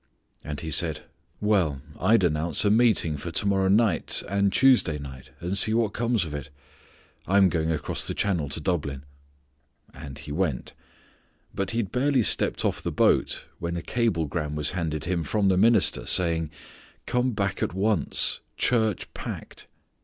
And he said, "Well. I'd announce a meeting for to morrow night, and Tuesday night, and see what comes of it; I'm going across the channel to Dublin." And he went, but he had barely stepped off the boat when a cablegram was handed him from the minister saying, "Come back at once. Church packed."